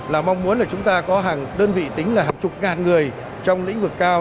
là mong muốn là chúng ta có hàng đơn vị tính là hàng chục ngàn người trong lĩnh vực cao